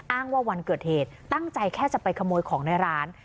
ว่าวันเกิดเหตุตั้งใจแค่จะไปขโมยของในร้าน